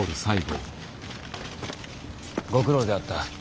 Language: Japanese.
ご苦労であった。